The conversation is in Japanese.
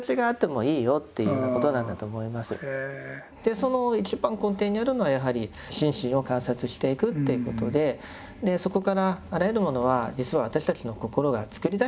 その一番根底にあるのはやはり心身を観察していくっていうことでそこからあらゆるものは実は私たちの心が作り出しているものなんだと。